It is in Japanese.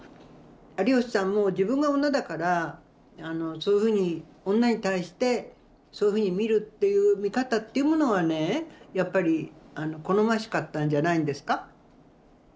有吉さんも自分が女だからそういうふうに女に対してそういうふうに見るっていう見方っていうものはねやっぱり好ましかったんじゃないんですか。